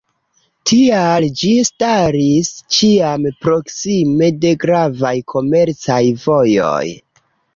Tial ĝi staris ĉiam proksime de gravaj komercaj vojoj.